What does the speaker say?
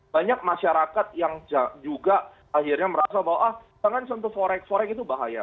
banyak masyarakat yang juga akhirnya merasa bahwa ah jangan sentuh forex forex itu bahaya